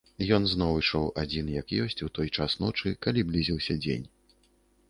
Ён зноў ішоў адзін як ёсць у той час ночы, калі блізіўся дзень.